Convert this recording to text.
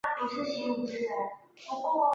属茹伊斯迪福拉总教区。